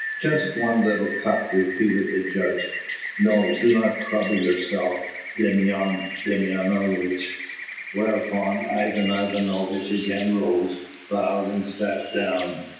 "Just one little cup," repeated the judge. "No, do not trouble yourself, Demyan Demyanovitch." Whereupon Ivan Ivanovitch again rose, bowed, and sat down.